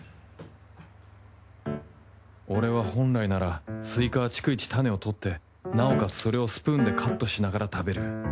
俺は本来ならスイカは逐一種を取ってなおかつそれをスプーンでカットしながら食べる。